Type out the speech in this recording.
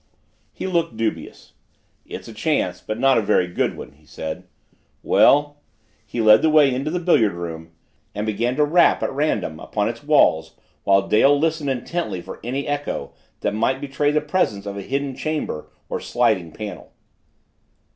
He looked dubious. "It's a chance, but not a very good one," he said. "Well " He led the way into the billiard room and began to rap at random upon its walls while Dale listened intently for any echo that might betray the presence of a hidden chamber or sliding panel.